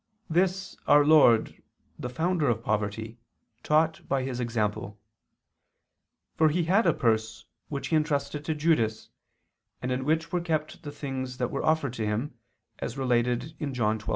This, our Lord, the Founder of poverty, taught by His example. For He had a purse which He entrusted to Judas, and in which were kept the things that were offered to Him, as related in John 12:6.